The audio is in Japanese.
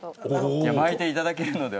巻いていただけるので。